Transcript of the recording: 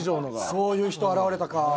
そういう人現れたか。